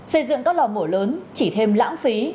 xây dựng các lò mổ lớn chỉ thêm lãng phí